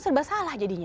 serba salah jadinya